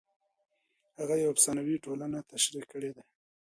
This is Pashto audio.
هغه یوه افسانوي ټولنه تشریح کړې ده.